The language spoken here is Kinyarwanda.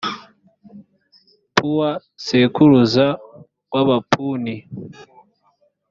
puwa sekuruza w’abapuni.